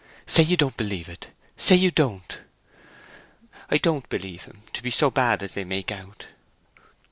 "Say you don't believe it—say you don't!" "I don't believe him to be so bad as they make out."